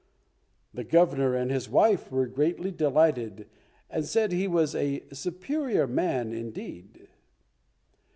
The Governor and his wife were greatly delighted, and said he was a "superior man" indeed.